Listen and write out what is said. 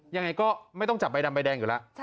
ยังไงก็ไม่ต้องจับใบดำใบแดงอยู่แล้ว